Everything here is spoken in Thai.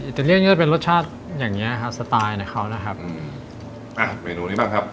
อิเตอเรียนจะเป็นรสชาติอย่างเงี้ยครับไซส์ในเขานะครับอ่าเมนูนี้บ้างครับ